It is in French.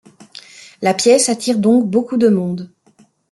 La pièce attire donc beaucoup de monde.